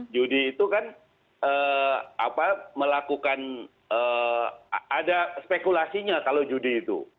judi itu kan melakukan ada spekulasinya kalau judi itu